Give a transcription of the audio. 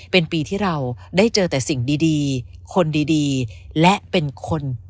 เป็นปีที่เราได้เจอแต่สิ่งดีคนดีและเป็นคน